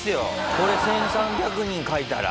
これ１３００人書いたら。